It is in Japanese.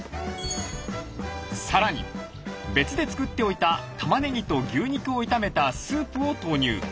さらに別で作っておいたたまねぎと牛肉を炒めたスープを投入。